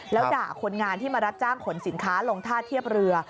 แล้วด่าคนงานที่มารับจ้างขนสินค้าลงท่าเทียบเรือ